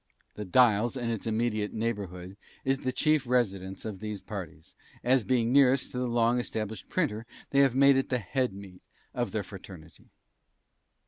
The "Dials" and its immediate neighbourhood is the chief residence of these parties, as being nearest to the long established printer they have made it the 'head meet' of the fraternity.